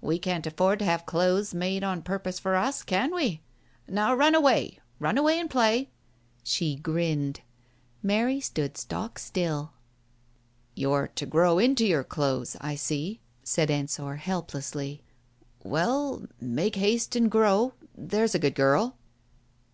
We can't afford to have clothes made on purpose for us, can we ? Now run away, run away and play !" She grinned. Mary stood stock still. "You're to grow into your clothes, I see," said Ensor Digitized by Google THE TIGER SKIN 279 helplessly. "Well, make haste and grow, there's a good girl